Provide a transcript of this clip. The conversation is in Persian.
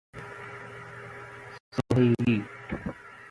سﮩیلی